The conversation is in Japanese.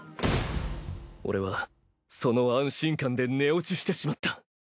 俺はその安心感で寝落ちしてしまった。